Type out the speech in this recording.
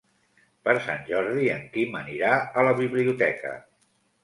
Per Sant Jordi en Quim anirà a la biblioteca.